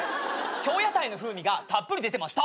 京野菜の風味がたっぷり出てました。